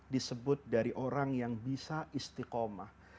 disebut dari orang yang bisa istiqomah